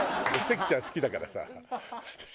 関ちゃん好きだからさ私。